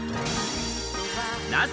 なぜ？